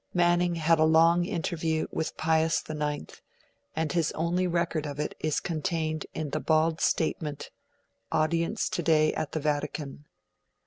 Manning had a long interview with Pius IX, and his only record of it is contained in the bald statement: 'Audience today at the Vatican'.